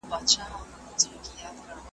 شيطانان ابليس ته د خپلو کړنو راپورونه ورکوي.